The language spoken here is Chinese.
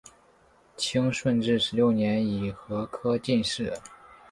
清顺治十六年己亥科进士。